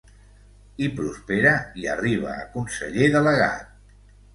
Hi prospera i arriba a conseller delegat.